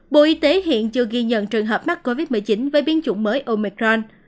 bộ y tế hiện chưa ghi nhận trường hợp mắc covid một mươi chín với biến chủng mới omicrand